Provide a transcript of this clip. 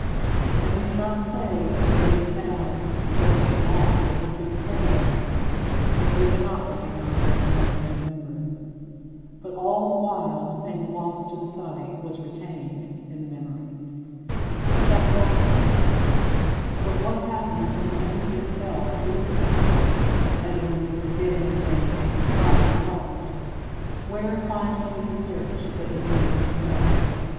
And we do not say that we have found what we have lost unless we can recognize it, and we cannot recognize it unless we remember it. But all the while the thing lost to the sight was retained in the memory. CHAPTER XIX 28. But what happens when the memory itself loses something, as when we forget anything and try to recall it? Where, finally, do we search, but in the memory itself?